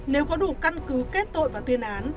nếu có đủ căn cứ kết tội và tuyên án